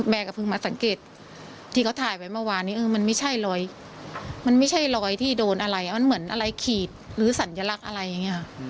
แม่ก็เพิ่งมาสังเกตที่เค้าถ่ายไว้เมื่อวานนี้มันไม่ใช่รอยที่โดนอะไรมันเหมือนอะไรขีดหรือสัญลักษณ์อะไรอย่างนี้